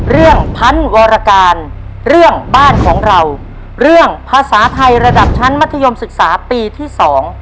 พันวรการเรื่องบ้านของเราเรื่องภาษาไทยระดับชั้นมัธยมศึกษาปีที่สอง